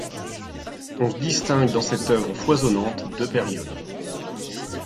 On distingue dans cette œuvre foisonnante deux périodes.